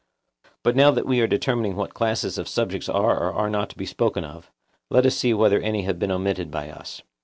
But now that we are determining what classes of subjects are or are not to be spoken of, let us see whether any have been omitted by us.